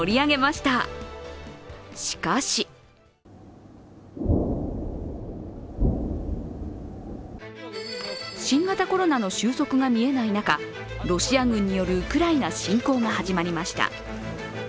しかし新型コロナの終息が見えない中、ロシア軍によるウクライナ侵攻が始まりました。